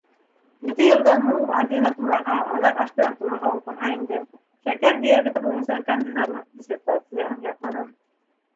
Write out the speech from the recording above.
Ете йылдан һуң ординатураға, аҙаҡ аспирантураға уҡырға индем, шәкәр диабеты буйынса кандидатлыҡ диссертацияһын яҡланым.